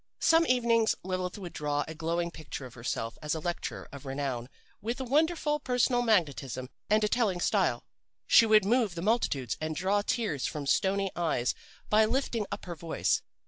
Some evenings Lilith would draw a glowing picture of herself as a lecturer of renown with a wonderful personal magnetism and a telling style she would move the multitudes and draw tears from stony eyes by lifting up her voice.